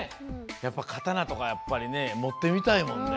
やっぱ刀とかやっぱりねもってみたいもんね。